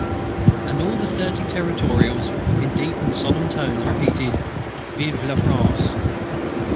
_" And all the thirty Territorials, in deep and solemn tones, repeated "_Vive la France!